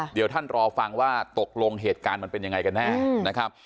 เดี๋ยวท่านรอฟังว่าตกลงเหตุการณ์มันเป็นยังไงกันแน่นะครับ